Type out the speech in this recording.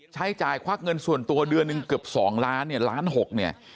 ใช้จ่ายควาคเงินส่วนตัวเดือนนึงเกือบสองล้านบาท